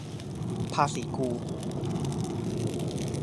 ภาษีกู